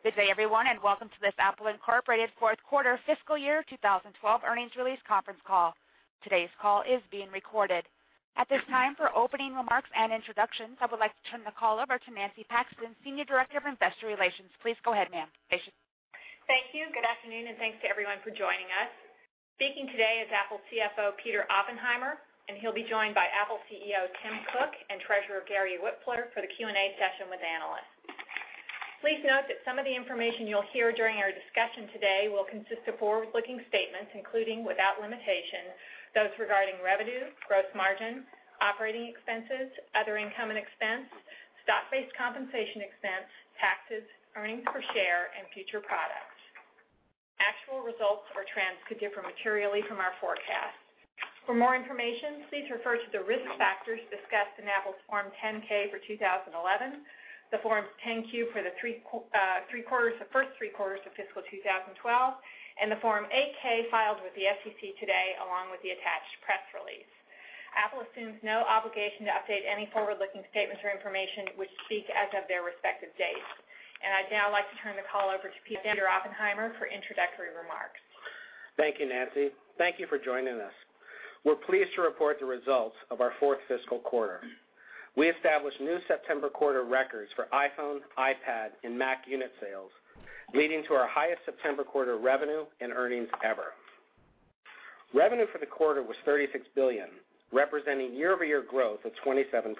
Good day, everyone, welcome to this Apple Inc. fourth quarter fiscal year 2012 earnings release conference call. Today's call is being recorded. At this time, for opening remarks and introductions, I would like to turn the call over to Nancy Paxton, Senior Director of Investor Relations. Please go ahead, ma'am. Thank you. Good afternoon, thanks to everyone for joining us. Speaking today is Apple CFO Peter Oppenheimer, he'll be joined by Apple CEO Tim Cook and Treasurer Gary Wipfler for the Q&A session with analysts. Please note that some of the information you'll hear during our discussion today will consist of forward-looking statements, including, without limitation, those regarding revenue, gross margin, operating expenses, other income and expense, stock-based compensation expense, taxes, earnings per share, and future products. Actual results or trends could differ materially from our forecasts. For more information, please refer to the risk factors discussed in Apple's Form 10-K for 2011, the Form 10-Q for the first three quarters of fiscal 2012, and the Form 8-K filed with the SEC today, along with the attached press release. Apple assumes no obligation to update any forward-looking statements or information, which speak as of their respective dates. I'd now like to turn the call over to Peter Oppenheimer for introductory remarks. Thank you, Nancy. Thank you for joining us. We're pleased to report the results of our fourth fiscal quarter. We established new September quarter records for iPhone, iPad, and Mac unit sales, leading to our highest September quarter revenue and earnings ever. Revenue for the quarter was $36 billion, representing year-over-year growth of 27%.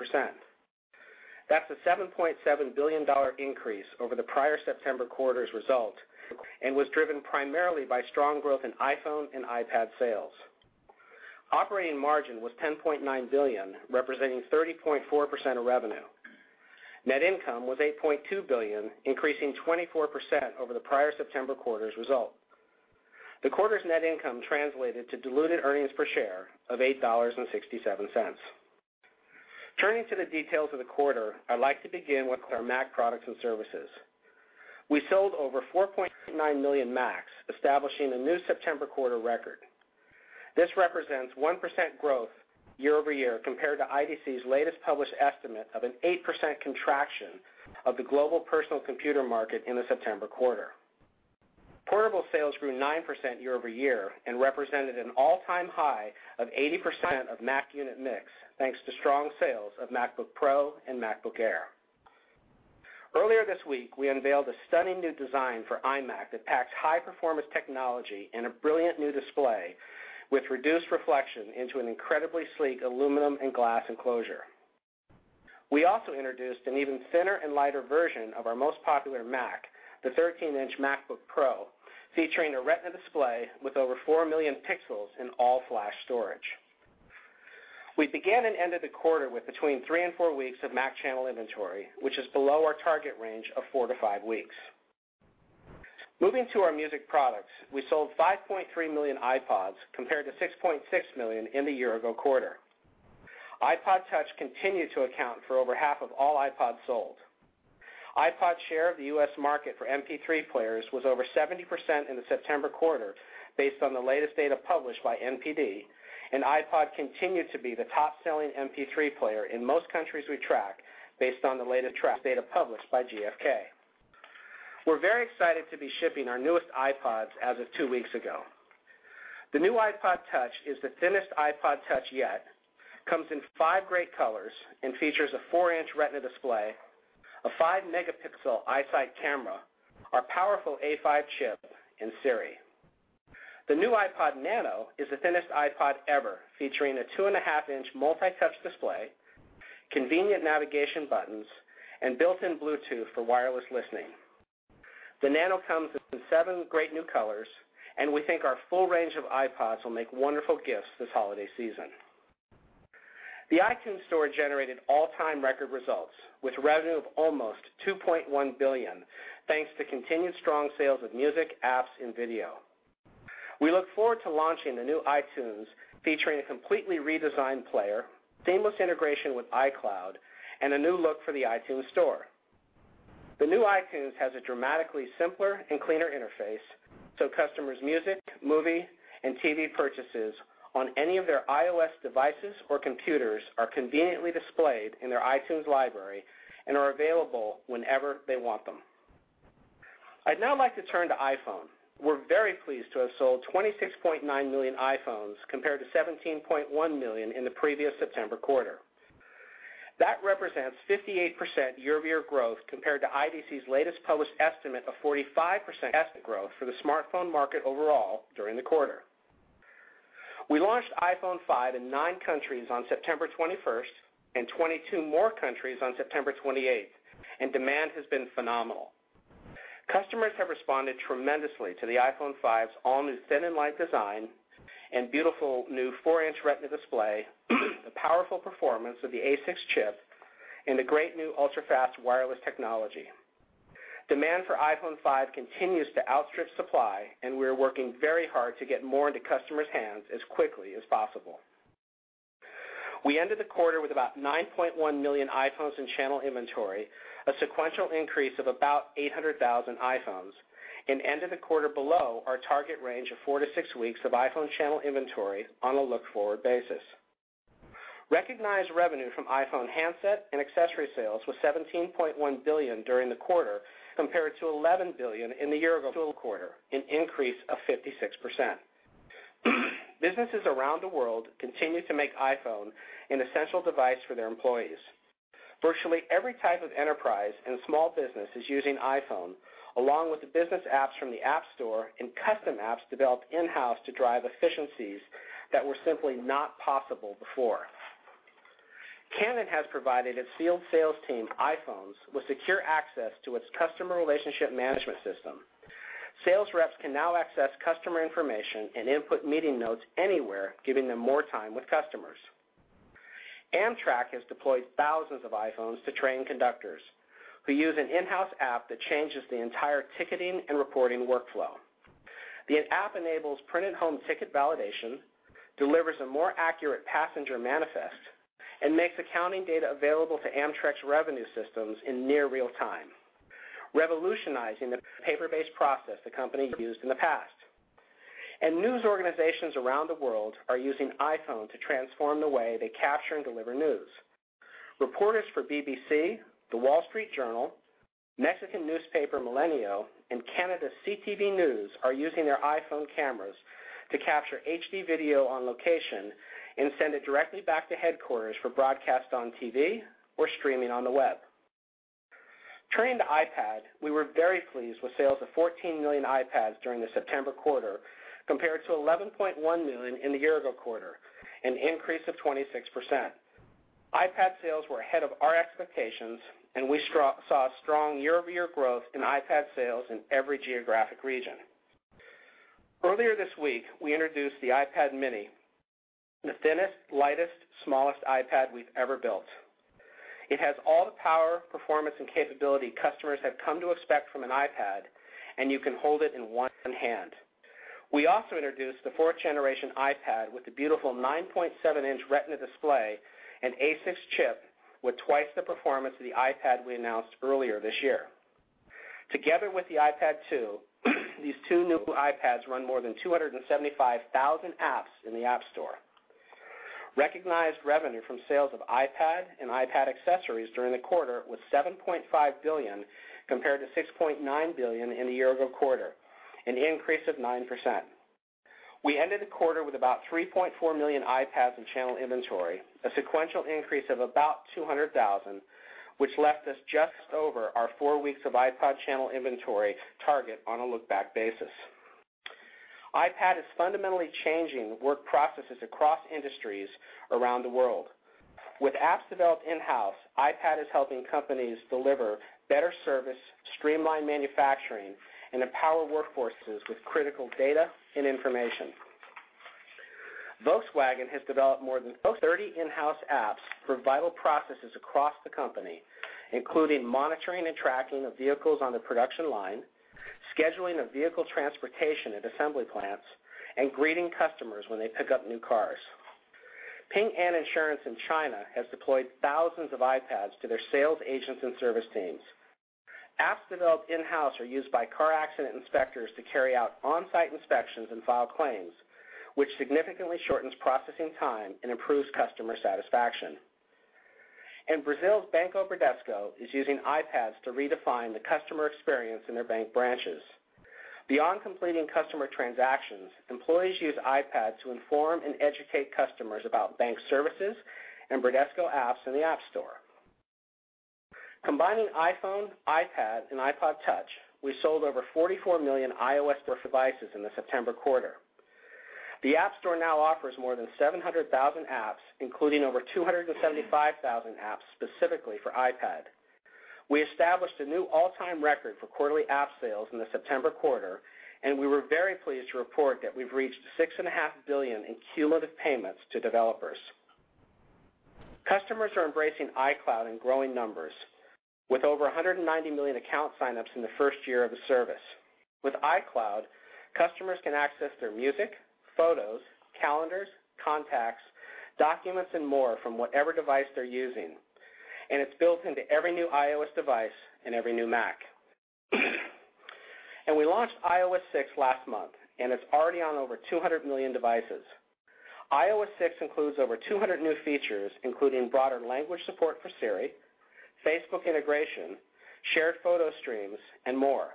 That's a $7.7 billion increase over the prior September quarter's result and was driven primarily by strong growth in iPhone and iPad sales. Operating margin was $10.9 billion, representing 30.4% of revenue. Net income was $8.2 billion, increasing 24% over the prior September quarter's result. The quarter's net income translated to diluted earnings per share of $8.67. Turning to the details of the quarter, I'd like to begin with our Mac products and services. We sold over 4.9 million Macs, establishing a new September quarter record. This represents 1% growth year-over-year compared to IDC's latest published estimate of an 8% contraction of the global personal computer market in the September quarter. Portable sales grew 9% year-over-year and represented an all-time high of 80% of Mac unit mix, thanks to strong sales of MacBook Pro and MacBook Air. Earlier this week, we unveiled a stunning new design for iMac that packs high-performance technology in a brilliant new display with reduced reflection into an incredibly sleek aluminum and glass enclosure. We also introduced an even thinner and lighter version of our most popular Mac, the 13-inch MacBook Pro, featuring a Retina display with over four million pixels in all flash storage. We began and ended the quarter with between three and four weeks of Mac channel inventory, which is below our target range of four to five weeks. Moving to our music products, we sold 5.3 million iPods compared to 6.6 million in the year-ago quarter. iPod touch continued to account for over half of all iPod sold. iPod share of the U.S. market for MP3 players was over 70% in the September quarter based on the latest data published by NPD, and iPod continued to be the top-selling MP3 player in most countries we track based on the latest data published by GfK. We're very excited to be shipping our newest iPods as of two weeks ago. The new iPod touch is the thinnest iPod touch yet, comes in five great colors and features a four-inch Retina display, a five-megapixel iSight camera, our powerful A5 chip, and Siri. The new iPod nano is the thinnest iPod ever, featuring a two-and-a-half-inch multi-touch display, convenient navigation buttons, and built-in Bluetooth for wireless listening. The nano comes in seven great new colors, and we think our full range of iPods will make wonderful gifts this holiday season. The iTunes Store generated all-time record results, with revenue of almost $2.1 billion, thanks to continued strong sales of music, apps, and video. We look forward to launching the new iTunes, featuring a completely redesigned player, seamless integration with iCloud, and a new look for the iTunes Store. The new iTunes has a dramatically simpler and cleaner interface, so customers' music, movie, and TV purchases on any of their iOS devices or computers are conveniently displayed in their iTunes library and are available whenever they want them. I'd now like to turn to iPhone. We're very pleased to have sold 26.9 million iPhones compared to 17.1 million in the previous September quarter. That represents 58% year-over-year growth compared to IDC's latest published estimate of 45% growth for the smartphone market overall during the quarter. We launched iPhone 5 in nine countries on September 21st and 22 more countries on September 28th. Demand has been phenomenal. Customers have responded tremendously to the iPhone 5's all-new thin and light design and beautiful new four-inch Retina display, the powerful performance of the A6 chip, and the great new ultra-fast wireless technology. Demand for iPhone 5 continues to outstrip supply. We're working very hard to get more into customers' hands as quickly as possible. We ended the quarter with about 9.1 million iPhones in channel inventory, a sequential increase of about 800,000 iPhones, and ended the quarter below our target range of four to six weeks of iPhone channel inventory on a look-forward basis. Recognized revenue from iPhone handset and accessory sales was $17.1 billion during the quarter, compared to $11 billion in the year ago fiscal quarter, an increase of 56%. Businesses around the world continue to make iPhone an essential device for their employees. Virtually every type of enterprise and small business is using iPhone, along with the business apps from the App Store and custom apps developed in-house to drive efficiencies that were simply not possible before. Canon has provided its field sales team iPhones with secure access to its customer relationship management system. Sales reps can now access customer information and input meeting notes anywhere, giving them more time with customers. Amtrak has deployed thousands of iPhones to train conductors who use an in-house app that changes the entire ticketing and reporting workflow. The app enables print-at-home ticket validation, delivers a more accurate passenger manifest, and makes accounting data available to Amtrak's revenue systems in near real time, revolutionizing the paper-based process the company used in the past. News organizations around the world are using iPhone to transform the way they capture and deliver news. Reporters for BBC, The Wall Street Journal, Mexican newspaper Milenio, and Canada's CTV News are using their iPhone cameras to capture HD video on location and send it directly back to headquarters for broadcast on TV or streaming on the web. Turning to iPad, we were very pleased with sales of $14 million iPads during the September quarter, compared to $11.1 million in the year ago quarter, an increase of 26%. iPad sales were ahead of our expectations, and we saw strong year-over-year growth in iPad sales in every geographic region. Earlier this week, we introduced the iPad mini, the thinnest, lightest, smallest iPad we've ever built. It has all the power, performance, and capability customers have come to expect from an iPad, and you can hold it in one hand. We also introduced the fourth generation iPad with a beautiful 9.7-inch Retina display and A6 chip with twice the performance of the iPad we announced earlier this year. Together with the iPad 2, these two new iPads run more than 275,000 apps in the App Store. Recognized revenue from sales of iPad and iPad accessories during the quarter was $7.5 billion, compared to $6.9 billion in the year ago quarter, an increase of 9%. We ended the quarter with about 3.4 million iPads in channel inventory, a sequential increase of about 200,000, which left us just over our four weeks of iPad channel inventory target on a look back basis. iPad is fundamentally changing work processes across industries around the world. With apps developed in-house, iPad is helping companies deliver better service, streamline manufacturing, and empower workforces with critical data and information. Volkswagen has developed more than 30 in-house apps for vital processes across the company, including monitoring and tracking of vehicles on the production line, scheduling of vehicle transportation at assembly plants, and greeting customers when they pick up new cars. Ping An Insurance in China has deployed thousands of iPads to their sales agents and service teams. Apps developed in-house are used by car accident inspectors to carry out on-site inspections and file claims, which significantly shortens processing time and improves customer satisfaction. Brazil's Banco Bradesco is using iPads to redefine the customer experience in their bank branches. Beyond completing customer transactions, employees use iPads to inform and educate customers about bank services and Bradesco apps in the App Store. Combining iPhone, iPad, and iPod touch, we sold over 44 million iOS devices in the September quarter. The App Store now offers more than 700,000 apps, including over 275,000 apps specifically for iPad. We established a new all-time record for quarterly app sales in the September quarter, and we were very pleased to report that we've reached $6.5 billion in cumulative payments to developers. Customers are embracing iCloud in growing numbers. With over 190 million account sign-ups in the first year of the service. With iCloud, customers can access their music, photos, calendars, contacts, documents, and more from whatever device they're using, and it's built into every new iOS device and every new Mac. We launched iOS 6 last month, and it's already on over 200 million devices. iOS 6 includes over 200 new features, including broader language support for Siri, Facebook integration, shared photo streams, and more.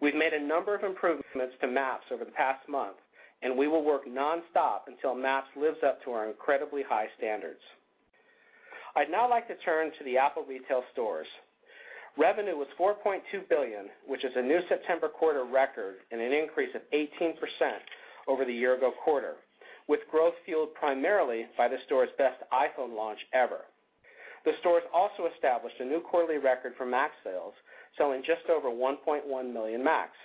We've made a number of improvements to Maps over the past month, and we will work nonstop until Maps lives up to our incredibly high standards. I'd now like to turn to the Apple retail stores. Revenue was $4.2 billion, which is a new September quarter record and an increase of 18% over the year-ago quarter, with growth fueled primarily by the store's best iPhone launch ever. The stores also established a new quarterly record for Mac sales, selling just over 1.1 million Macs.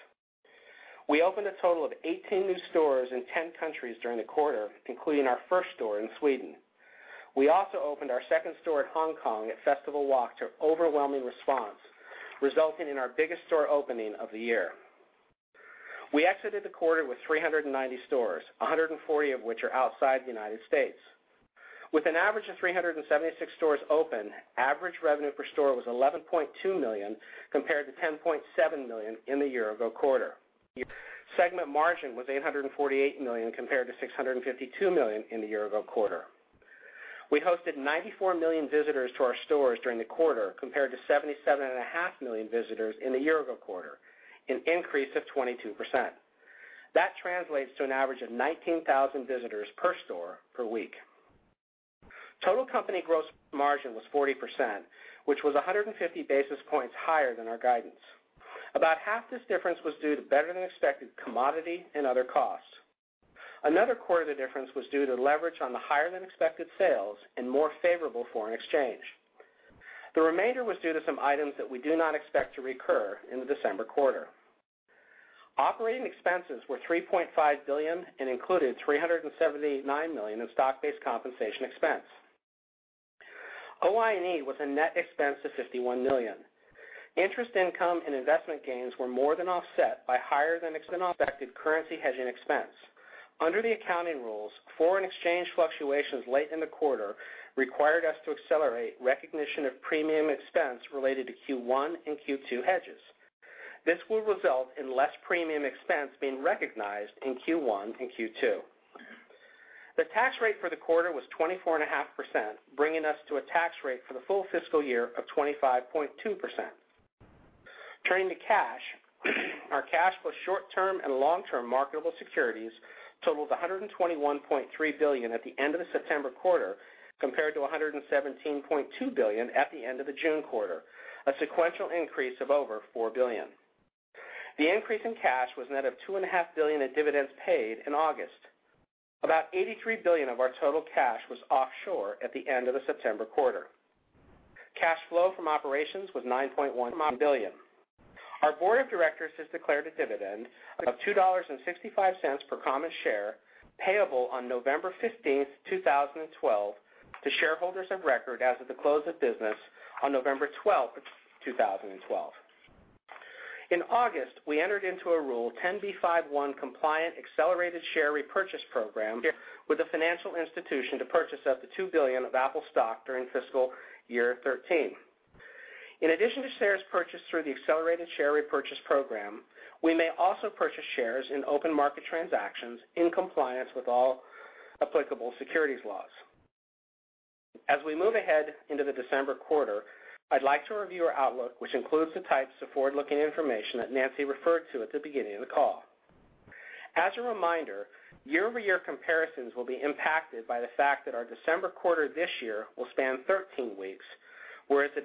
We opened a total of 18 new stores in 10 countries during the quarter, including our first store in Sweden. We also opened our second store in Hong Kong at Festival Walk to overwhelming response, resulting in our biggest store opening of the year. We exited the quarter with 390 stores, 140 of which are outside the U.S. With an average of 376 stores open, average revenue per store was $11.2 million, compared to $10.7 million in the year-ago quarter. Segment margin was $848 million compared to $652 million in the year-ago quarter. We hosted 94 million visitors to our stores during the quarter, compared to 77.5 million visitors in the year-ago quarter, an increase of 22%. That translates to an average of 19,000 visitors per store per week. Total company gross margin was 40%, which was 150 basis points higher than our guidance. About half this difference was due to better-than-expected commodity and other costs. Another core of the difference was due to leverage on the higher-than-expected sales and more favorable foreign exchange. The remainder was due to some items that we do not expect to recur in the December quarter. Operating expenses were $3.5 billion and included $379 million in stock-based compensation expense. OIE was a net expense of $51 million. Interest income and investment gains were more than offset by higher-than-expected currency hedging expense. Under the accounting rules, foreign exchange fluctuations late in the quarter required us to accelerate recognition of premium expense related to Q1 and Q2 hedges. This will result in less premium expense being recognized in Q1 and Q2. The tax rate for the quarter was 24.5%, bringing us to a tax rate for the full fiscal year of 25.2%. Turning to cash, our cash plus short-term and long-term marketable securities totaled $121.3 billion at the end of the September quarter, compared to $117.2 billion at the end of the June quarter, a sequential increase of over $4 billion. The increase in cash was net of $2.5 billion in dividends paid in August. About $83 billion of our total cash was offshore at the end of the September quarter. Cash flow from operations was $9.1 billion. Our board of directors has declared a dividend of $2.65 per common share, payable on November 15th, 2012, to shareholders of record as of the close of business on November 12th, 2012. In August, we entered into a Rule 10b5-1 compliant accelerated share repurchase program with a financial institution to purchase up to $2 billion of Apple stock during fiscal year 2013. In addition to shares purchased through the accelerated share repurchase program, we may also purchase shares in open market transactions in compliance with all applicable securities laws. We move ahead into the December quarter, I'd like to review our outlook, which includes the types of forward-looking information that Nancy referred to at the beginning of the call. A reminder, year-over-year comparisons will be impacted by the fact that our December quarter this year will span 13 weeks, whereas the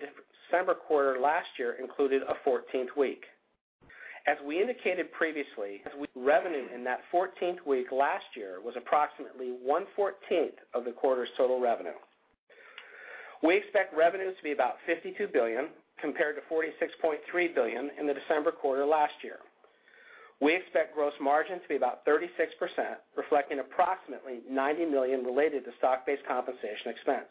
December quarter last year included a 14th week. We indicated previously, revenue in that 14th week last year was approximately one fourteenth of the quarter's total revenue. We expect revenues to be about $52 billion, compared to $46.3 billion in the December quarter last year. We expect gross margin to be about 36%, reflecting approximately $90 million related to stock-based compensation expense.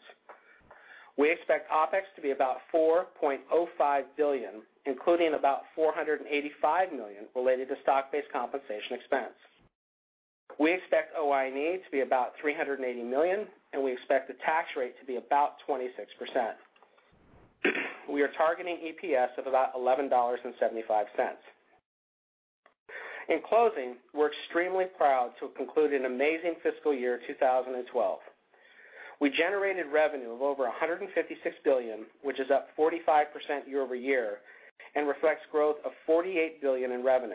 We expect OPEX to be about $4.05 billion, including about $485 million related to stock-based compensation expense. We expect OIE to be about $380 million. We expect the tax rate to be about 26%. We are targeting EPS of about $11.75. In closing, we're extremely proud to have concluded an amazing fiscal year 2012. We generated revenue of over $156 billion, which is up 45% year-over-year and reflects growth of $48 billion in revenue.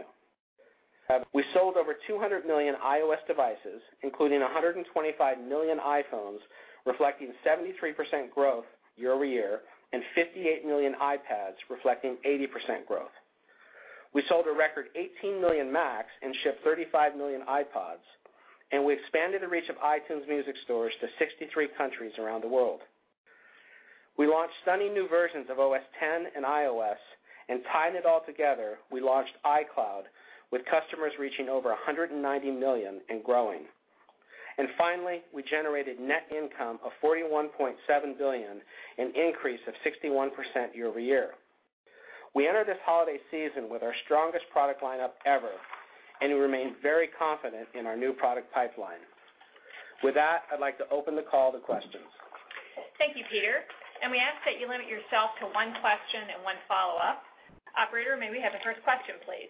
We sold over 200 million iOS devices, including 125 million iPhones, reflecting 73% growth year-over-year and 58 million iPads reflecting 80% growth. We sold a record 18 million Macs and shipped 35 million iPods. We expanded the reach of iTunes music stores to 63 countries around the world. We launched stunning new versions of OS X and iOS and tying it all together, we launched iCloud with customers reaching over 190 million and growing. Finally, we generated net income of $41.7 billion, an increase of 61% year-over-year. We enter this holiday season with our strongest product lineup ever. We remain very confident in our new product pipeline. With that, I'd like to open the call to questions. Thank you, Peter. We ask that you limit yourself to one question and one follow-up. Operator, may we have the first question, please?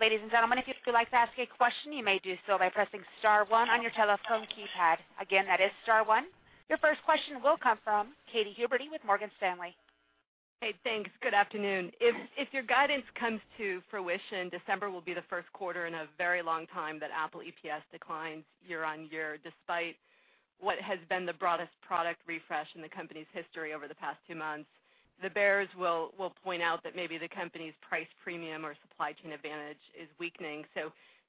Ladies and gentlemen, if you'd like to ask a question, you may do so by pressing star one on your telephone keypad. Again, that is star one. Your first question will come from Katy Huberty with Morgan Stanley. Hey, thanks. Good afternoon. If your guidance comes to fruition, December will be the first quarter in a very long time that Apple EPS declines year-on-year, despite what has been the broadest product refresh in the company's history over the past two months. The bears will point out that maybe the company's price premium or supply chain advantage is weakening.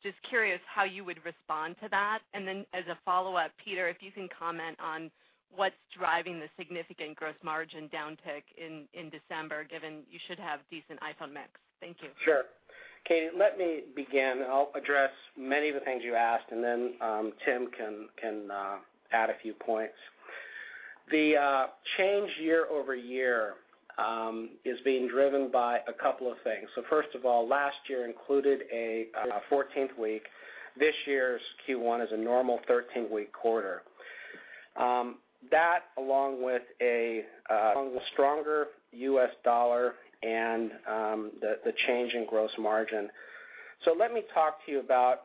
Just curious how you would respond to that. Then as a follow-up, Peter, if you can comment on what's driving the significant gross margin downtick in December, given you should have decent iPhone mix. Thank you. Sure. Katy, let me begin. I'll address many of the things you asked. Then Tim can add a few points. The change year-over-year is being driven by a couple of things. First of all, last year included a 14th week. This year's Q1 is a normal 13-week quarter. That along with a stronger US dollar and the change in gross margin. Let me talk to you about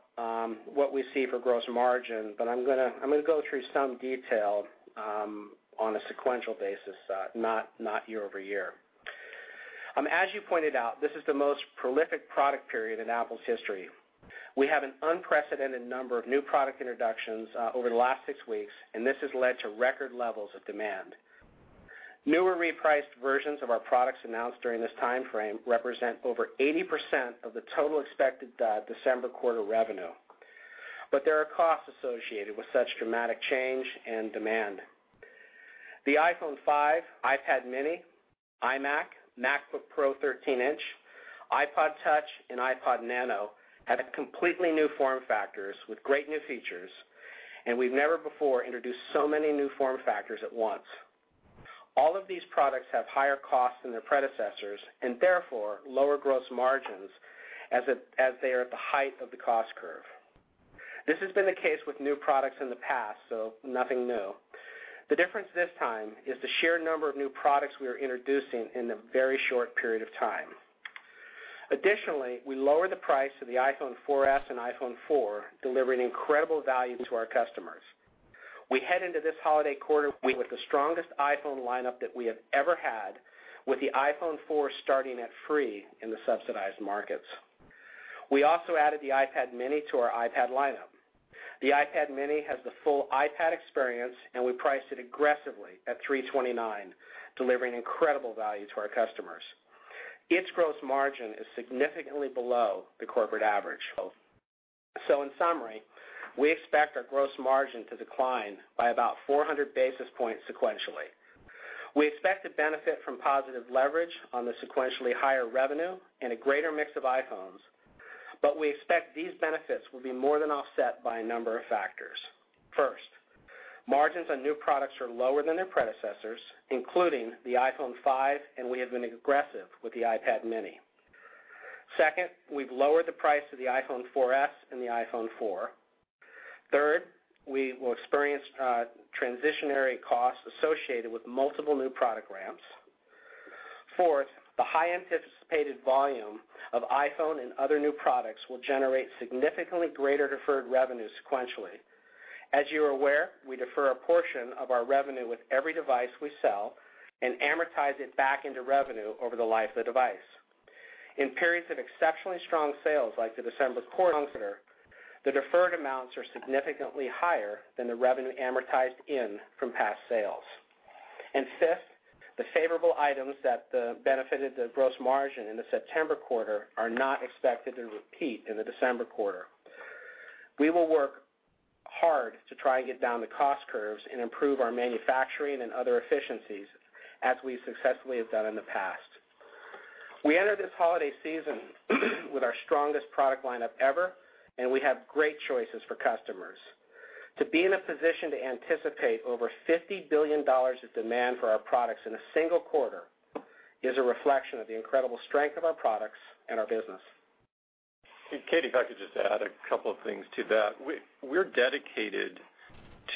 what we see for gross margin, but I'm going to go through some detail on a sequential basis, not year-over-year. As you pointed out, this is the most prolific product period in Apple's history. We have an unprecedented number of new product introductions over the last six weeks. This has led to record levels of demand. Newer repriced versions of our products announced during this timeframe represent over 80% of the total expected December quarter revenue. There are costs associated with such dramatic change and demand. The iPhone 5, iPad mini, iMac, MacBook Pro 13-inch, iPod touch and iPod nano have completely new form factors with great new features, and we've never before introduced so many new form factors at once. All of these products have higher costs than their predecessors, and therefore, lower gross margins as they are at the height of the cost curve. This has been the case with new products in the past, so nothing new. The difference this time is the sheer number of new products we are introducing in a very short period of time. Additionally, we lowered the price of the iPhone 4S and iPhone 4, delivering incredible value to our customers. We head into this holiday quarter with the strongest iPhone lineup that we have ever had, with the iPhone 4 starting at free in the subsidized markets. We also added the iPad mini to our iPad lineup. The iPad mini has the full iPad experience, and we priced it aggressively at $329, delivering incredible value to our customers. Its gross margin is significantly below the corporate average. In summary, we expect our gross margin to decline by about 400 basis points sequentially. We expect to benefit from positive leverage on the sequentially higher revenue and a greater mix of iPhones, but we expect these benefits will be more than offset by a number of factors. First, margins on new products are lower than their predecessors, including the iPhone 5, and we have been aggressive with the iPad mini. Second, we've lowered the price of the iPhone 4S and the iPhone 4. Third, we will experience transitionary costs associated with multiple new product ramps. Fourth, the high anticipated volume of iPhone and other new products will generate significantly greater deferred revenue sequentially. As you are aware, we defer a portion of our revenue with every device we sell and amortize it back into revenue over the life of the device. In periods of exceptionally strong sales, like the December quarter, the deferred amounts are significantly higher than the revenue amortized in from past sales. Fifth, the favorable items that benefited the gross margin in the September quarter are not expected to repeat in the December quarter. We will work hard to try and get down the cost curves and improve our manufacturing and other efficiencies as we successfully have done in the past. We enter this holiday season with our strongest product lineup ever, and we have great choices for customers. To be in a position to anticipate over $50 billion of demand for our products in a single quarter is a reflection of the incredible strength of our products and our business. Katy, if I could just add a couple of things to that. We're dedicated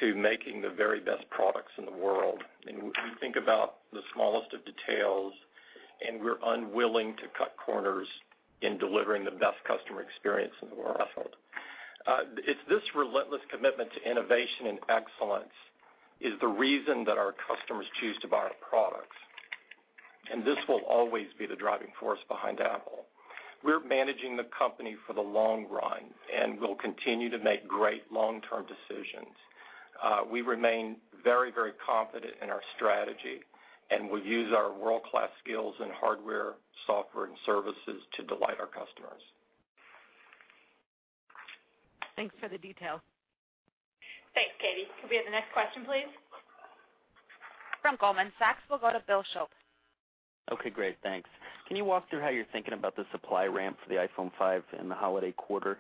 to making the very best products in the world, we think about the smallest of details, we're unwilling to cut corners in delivering the best customer experience in the world. It's this relentless commitment to innovation and excellence is the reason that our customers choose to buy our products, this will always be the driving force behind Apple. We're managing the company for the long run, we'll continue to make great long-term decisions. We remain very confident in our strategy, we use our world-class skills in hardware, software, and services to delight our customers. Thanks for the detail. Thanks, Katy. Could we have the next question, please? From Goldman Sachs, we'll go to Bill Shope. Okay, great. Thanks. Can you walk through how you're thinking about the supply ramp for the iPhone 5 in the holiday quarter?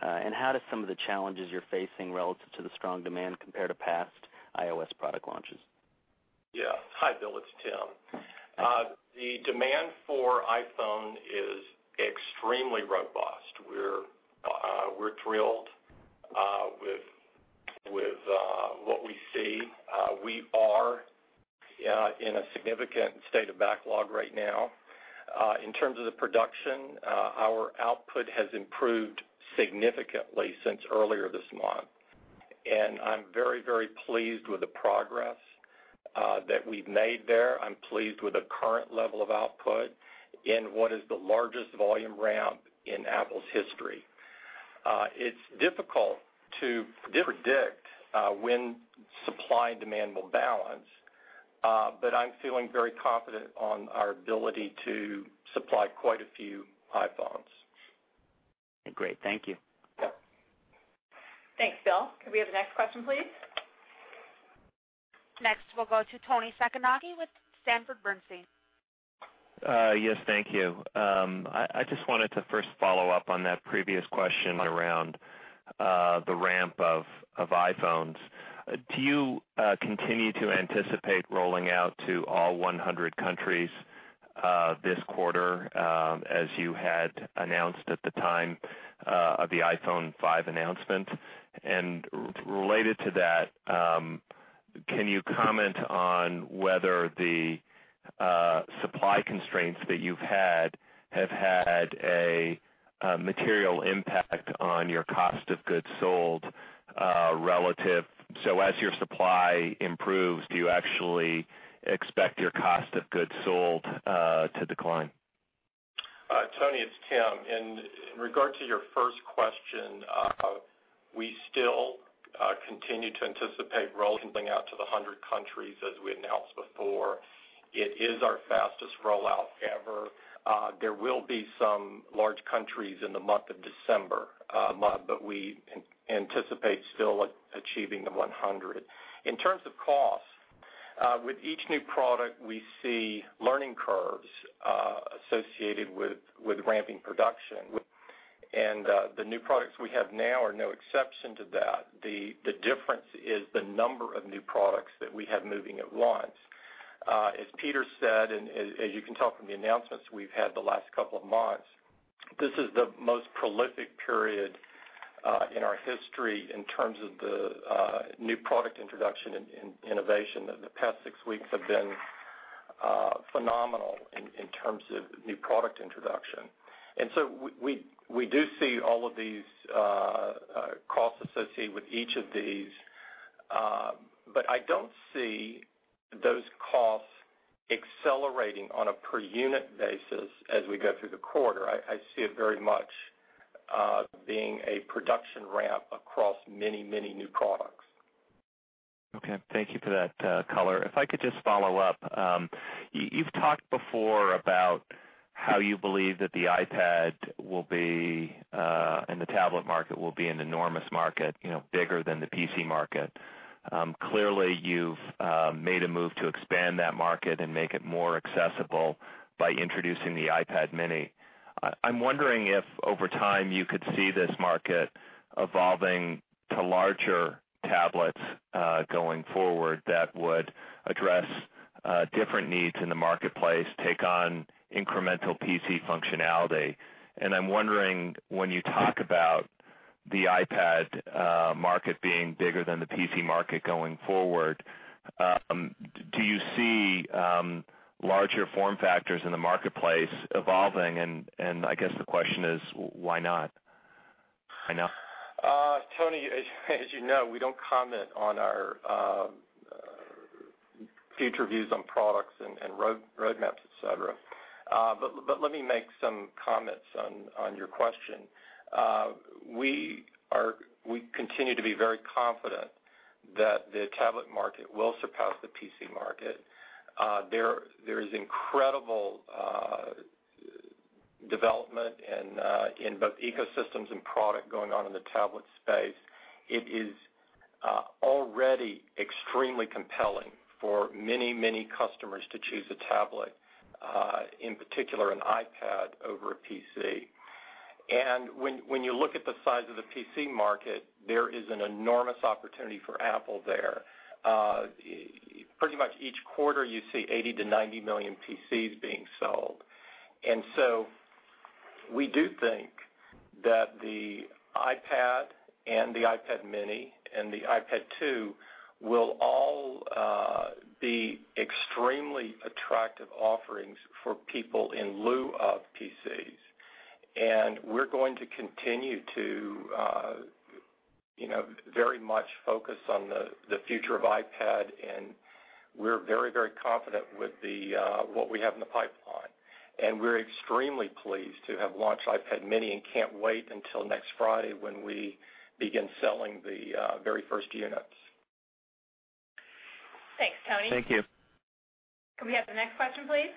How do some of the challenges you're facing relative to the strong demand compare to past iOS product launches? Yeah. Hi, Bill. It's Tim. The demand for iPhone is extremely robust. We're thrilled with what we see. We are in a significant state of backlog right now. In terms of the production, our output has improved significantly since earlier this month, and I'm very pleased with the progress that we've made there. I'm pleased with the current level of output in what is the largest volume ramp in Apple's history. It's difficult to predict when supply and demand will balance, but I'm feeling very confident on our ability to supply quite a few iPhones. Great. Thank you. Yeah. Thanks, Bill. Could we have the next question, please? Next, we'll go to Toni Sacconaghi with Sanford C. Bernstein. Yes, thank you. I just wanted to first follow up on that previous question around the ramp of iPhones. Do you continue to anticipate rolling out to all 100 countries this quarter as you had announced at the time of the iPhone 5 announcement? Related to that, can you comment on whether the supply constraints that you've had have had a material impact on your cost of goods sold relative? As your supply improves, do you actually expect your cost of goods sold to decline? Toni, it's Tim. In regard to your first question, we still continue to anticipate rolling out to the 100 countries as we announced before. It is our fastest rollout ever. There will be some large countries in the month of December, but we anticipate still achieving the 100. In terms of cost, with each new product, we see learning curves associated with ramping production, the new products we have now are no exception to that. The difference is the number of new products that we have moving at once. As Peter said, as you can tell from the announcements we've had the last couple of months, this is the most prolific period in our history in terms of the new product introduction and innovation. The past six weeks have been phenomenal in terms of new product introduction. We do see all of these costs associated with each of these, I don't see those costs accelerating on a per unit basis as we go through the quarter. I see it very much being a production ramp across many new products. Okay. Thank you for that color. If I could just follow up. You've talked before about how you believe that the iPad will be, and the tablet market will be an enormous market, bigger than the PC market. Clearly, you've made a move to expand that market and make it more accessible by introducing the iPad mini. I'm wondering if over time you could see this market evolving to larger tablets going forward that would address different needs in the marketplace, take on incremental PC functionality. I'm wondering, when you talk about the iPad market being bigger than the PC market going forward, do you see larger form factors in the marketplace evolving and I guess the question is why not? Toni, as you know, we don't comment on our future views on products and roadmaps, et cetera. Let me make some comments on your question. We continue to be very confident that the tablet market will surpass the PC market. There is incredible development in both ecosystems and product going on in the tablet space. It is already extremely compelling for many customers to choose a tablet, in particular an iPad over a PC. When you look at the size of the PC market, there is an enormous opportunity for Apple there. Pretty much each quarter you see 80 to 90 million PCs being sold. We do think that the iPad and the iPad mini and the iPad 2 will all be extremely attractive offerings for people in lieu of PCs. We're going to continue to very much focus on the future of iPad, and we're very confident with what we have in the pipeline. We're extremely pleased to have launched iPad mini and can't wait until next Friday when we begin selling the very first units. Thanks, Toni. Thank you. Could we have the next question, please?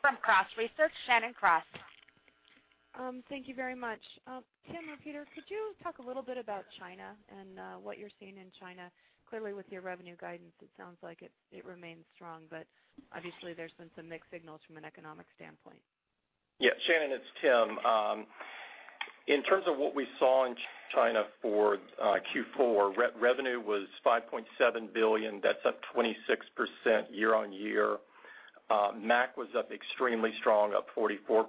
From Cross Research, Shannon Cross. Thank you very much. Tim or Peter, could you talk a little bit about China and what you're seeing in China? Clearly, with your revenue guidance, it sounds like it remains strong, but obviously, there's been some mixed signals from an economic standpoint. Yes, Shannon, it's Tim. In terms of what we saw in China for Q4, revenue was $5.7 billion. That's up 26% year-on-year. Mac was up extremely strong, up 44%.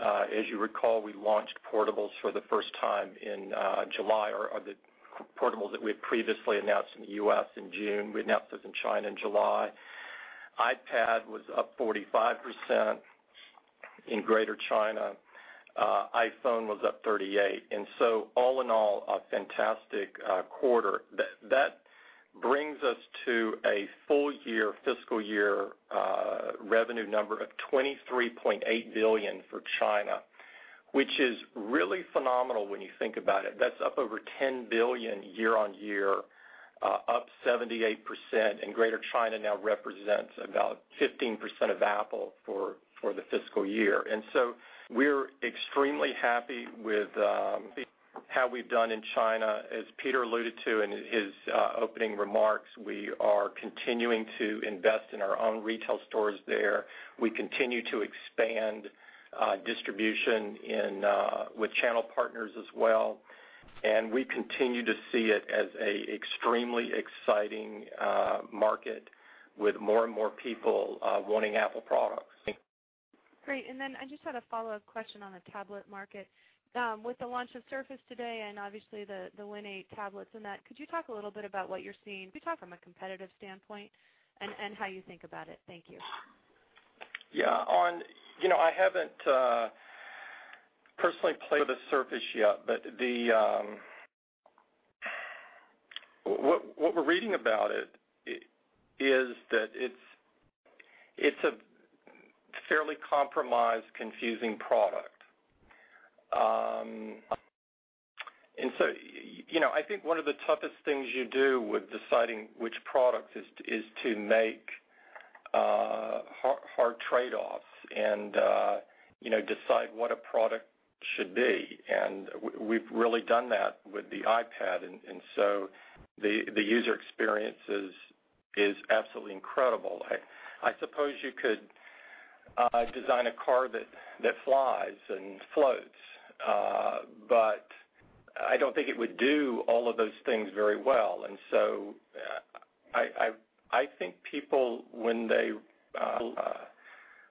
As you recall, we launched portables for the first time in July, or the portables that we had previously announced in the U.S. in June, we announced those in China in July. iPad was up 45% in Greater China. iPhone was up 38%. All in all, a fantastic quarter. That brings us to a full year fiscal year revenue number of $23.8 billion for China, which is really phenomenal when you think about it. That's up over $10 billion year-on-year, up 78%, and Greater China now represents about 15% of Apple for the fiscal year. We're extremely happy with how we've done in China. As Peter alluded to in his opening remarks, we are continuing to invest in our own retail stores there. We continue to expand distribution with channel partners as well. We continue to see it as an extremely exciting market with more and more people wanting Apple products. Great. I just had a follow-up question on the tablet market. With the launch of Surface today and obviously the Windows 8 tablets and that, could you talk a little bit about what you're seeing? Could you talk from a competitive standpoint and how you think about it? Thank you. Yeah. I haven't personally played with a Surface yet, but what we're reading about it is that it's a fairly compromised, confusing product. I think one of the toughest things you do with deciding which product is to make hard trade-offs and decide what a product should be. And we've really done that with the iPad, and so the user experience is absolutely incredible. I suppose you could design a car that flies and floats, but I don't think it would do all of those things very well. I think people, when they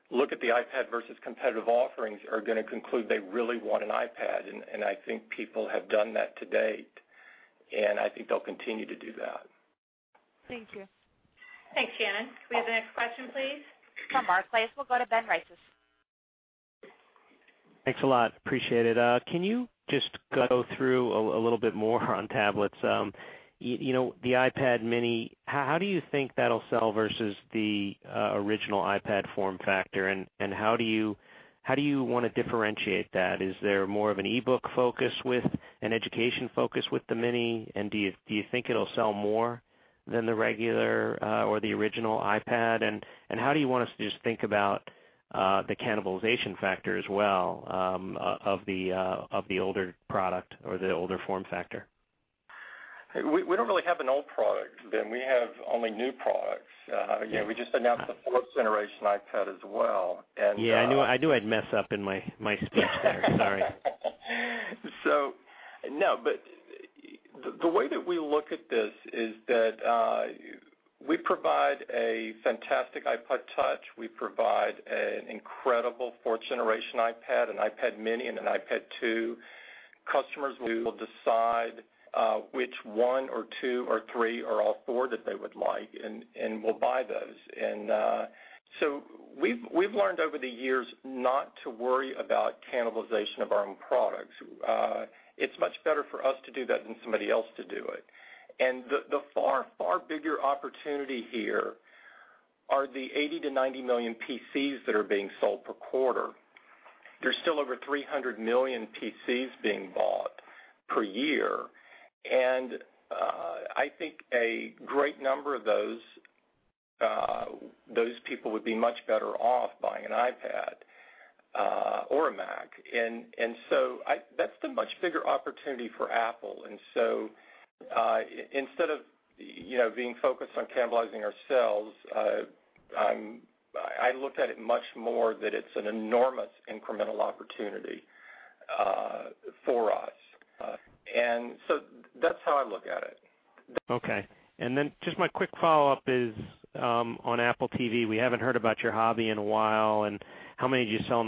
look at the iPad versus competitive offerings, are going to conclude they really want an iPad, and I think people have done that to date, and I think they'll continue to do that. Thank you. Thanks, Shannon. Can we have the next question, please? From Barclays, we'll go to Ben Reitzes. Thanks a lot. Appreciate it. Can you just go through a little bit more on tablets? The iPad mini, how do you think that'll sell versus the original iPad form factor, and how do you want to differentiate that? Is there more of an e-book focus with, an education focus with the mini, and do you think it'll sell more than the regular, or the original iPad? How do you want us to just think about the cannibalization factor as well of the older product or the older form factor? We don't really have an old product, Ben. We have only new products. Again, we just announced the fourth-generation iPad as well. Yeah, I knew I'd mess up in my speech there. Sorry. The way that we look at this is that we provide a fantastic iPod touch. We provide an incredible fourth-generation iPad, an iPad mini, and an iPad 2. Customers will decide which one or two or three or all four that they would like and will buy those. We've learned over the years not to worry about cannibalization of our own products. It's much better for us to do that than somebody else to do it. The far, far bigger opportunity here are the 80-90 million PCs that are being sold per quarter. There's still over 300 million PCs being bought per year, and I think a great number of those people would be much better off buying an iPad or a Mac. That's the much bigger opportunity for Apple, instead of being focused on cannibalizing ourselves, I look at it much more that it's an enormous incremental opportunity for us. That's how I look at it. Okay. Then just my quick follow-up is on Apple TV. We haven't heard about your hobby in a while, and how many did you sell in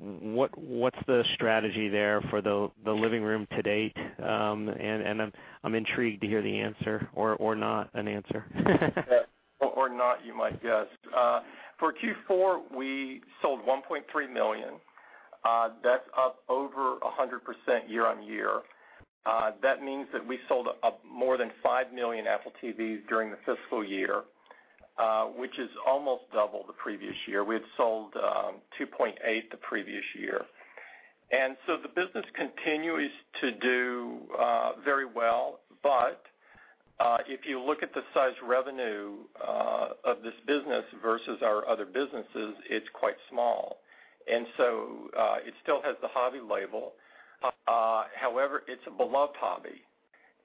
the quarter, and what's the strategy there for the living room to date? I'm intrigued to hear the answer or not an answer. Yeah. Not, you might guess. For Q4, we sold 1.3 million. That's up over 100% year-over-year. That means that we sold more than 5 million Apple TVs during the fiscal year, which is almost double the previous year. We had sold 2.8 the previous year. The business continues to do very well. If you look at the size revenue of this business versus our other businesses, it's quite small. It still has the hobby label. However, it's a beloved hobby,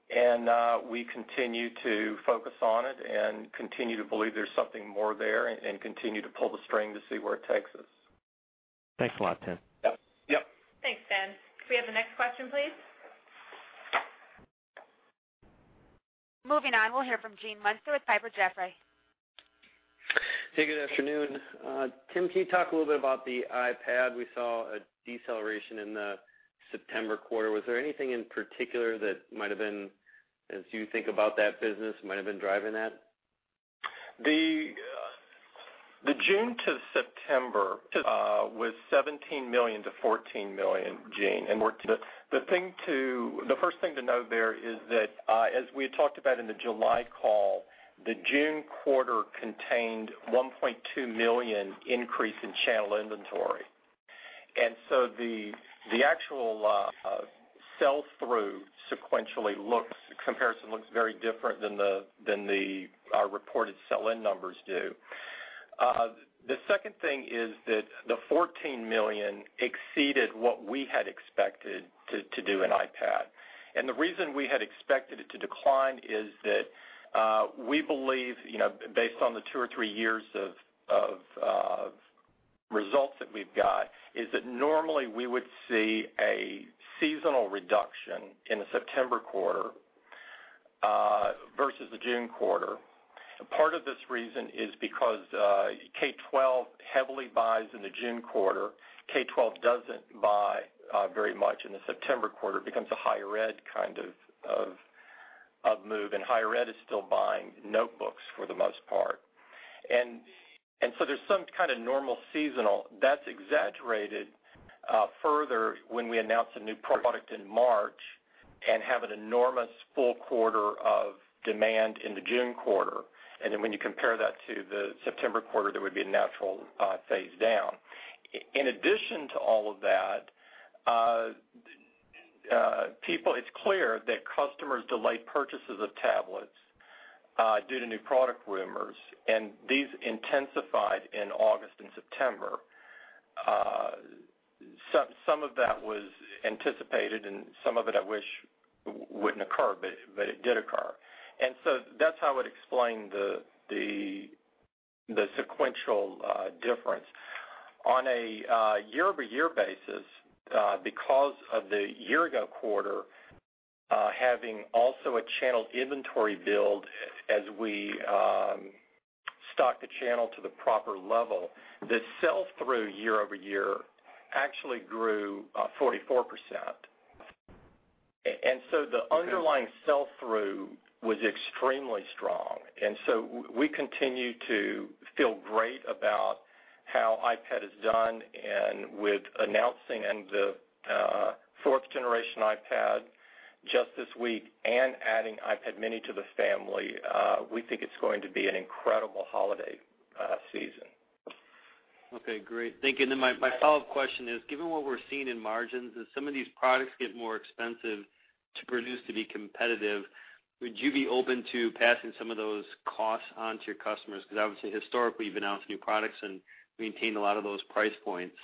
and we continue to focus on it and continue to believe there's something more there and continue to pull the string to see where it takes us. Thanks a lot, Tim. Yep. Thanks, Ben. Could we have the next question, please? Moving on, we'll hear from Gene Munster with Piper Jaffray. Hey, good afternoon. Tim, can you talk a little bit about the iPad? We saw a deceleration in the September quarter. Was there anything in particular that might have been, as you think about that business, might have been driving that? The June to September was 17 million to 14 million, Gene. The first thing to note there is that as we had talked about in the July call, the June quarter contained 1.2 million increase in channel inventory. The actual sell-through sequentially comparison looks very different than our reported sell-in numbers do. The second thing is that the 14 million exceeded what we had expected to do in iPad. The reason we had expected it to decline is that we believe, based on the two or three years of results that we've got, is that normally we would see a seasonal reduction in the September quarter versus the June quarter. Part of this reason is because K12 heavily buys in the June quarter. K12 doesn't buy very much in the September quarter. It becomes a higher ed kind of move, and higher ed is still buying notebooks for the most part. There's some kind of normal seasonal that's exaggerated further when we announce a new product in March and have an enormous full quarter of demand in the June quarter, then when you compare that to the September quarter, there would be a natural phase down. In addition to all of that, it's clear that customers delayed purchases of tablets due to new product rumors, and these intensified in August and September. Some of that was anticipated, and some of it I wish wouldn't occur, but it did occur. That's how I would explain the sequential difference. On a year-over-year basis, because of the year-ago quarter having also a channel inventory build as we stock the channel to the proper level, the sell-through year-over-year actually grew 44%. The underlying sell-through was extremely strong. We continue to feel great about how iPad has done, and with announcing the fourth generation iPad just this week and adding iPad mini to the family, we think it's going to be an incredible holiday season. Okay, great. Thank you. My follow-up question is, given what we're seeing in margins, as some of these products get more expensive to produce to be competitive, would you be open to passing some of those costs on to your customers? Because obviously, historically, you've announced new products and maintained a lot of those price points.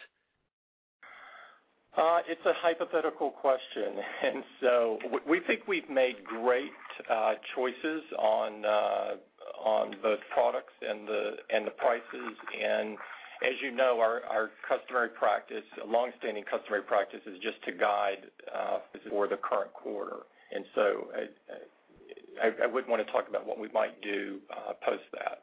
It's a hypothetical question. We think we've made great choices on both products and the prices. As you know, our longstanding customary practice is just to guide for the current quarter. I wouldn't want to talk about what we might do post that.